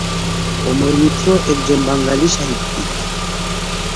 অমর মিত্র একজন বাঙালি সাহিত্যিক।